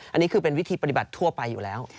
อันนี้คือเป็นวิธีปฏิบัติทั่วไปอยู่แล้ว